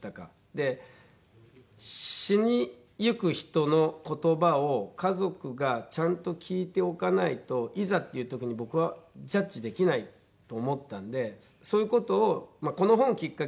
で死にゆく人の言葉を家族がちゃんと聞いておかないといざっていう時に僕はジャッジできないと思ったんでそういう事をこの本きっかけで。